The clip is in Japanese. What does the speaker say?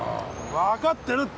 わかってるって！